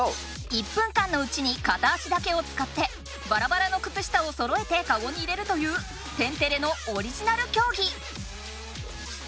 １分間のうちに片足だけをつかってバラバラのくつ下をそろえてカゴに入れるという「天てれ」のオリジナル競技！